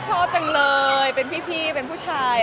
ชอบจังเลยเป็นพี่เป็นผู้ชาย